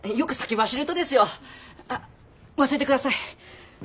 あ忘れてください。